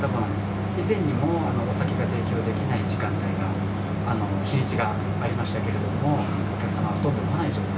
以前にもお酒が提供できない時間帯が、日にちがありましたけれども、お客様がほとんど来ない状態。